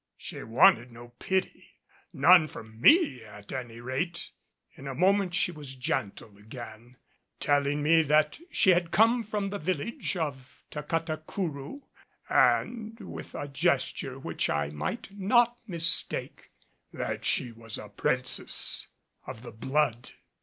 She wanted no pity none from me at any rate. In a moment she was gentle again, telling me that she had come from the village of Tacatacourou and, with a gesture which I might not mistake, that she was a princess of the blood.